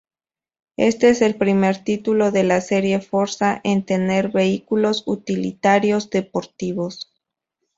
Este es el primer título de la serie Forza en tener vehículos utilitarios deportivos.